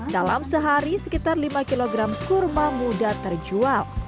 dalam sehari sekitar lima kg kurma muda terjual